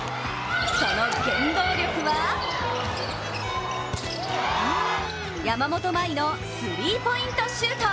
その原動力は山本麻衣のスリーポイントシュート。